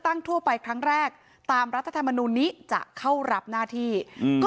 ทั่วไปครั้งแรกตามรัฐธรรมนูลนี้จะเข้ารับหน้าที่อืมก็